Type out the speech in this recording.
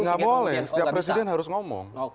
nggak boleh setiap presiden harus ngomong